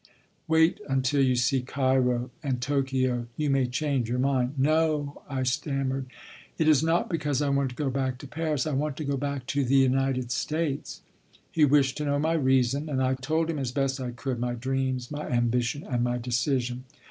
Wait until you see Cairo and Tokyo, you may change your mind." "No," I stammered, "it is not because I want to go back to Paris. I want to go back to the United States." He wished to know my reason, and I told him, as best I could, my dreams, my ambition, and my decision.